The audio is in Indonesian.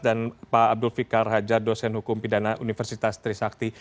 dan pak abdul fikar hajar dosen hukum pidana universitas trisakti